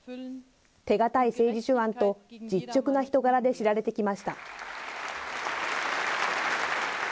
手堅い政治手腕と実直な人柄で知られてきました。